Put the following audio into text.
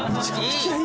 「いい！」。